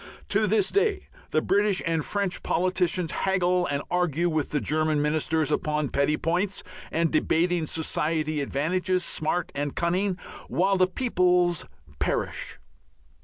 To this day the British and French politicians haggle and argue with the German ministers upon petty points and debating society advantages, smart and cunning, while the peoples perish.